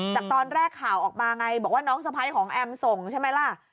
จากตอนแรกข่าวออกมาไงบอกว่าน้องสะพ้ายของแอมส่งใช่ไหมล่ะ